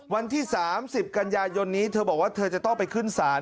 วันที่๓๐กันยายนนี้เธอบอกว่าเธอจะต้องไปขึ้นศาล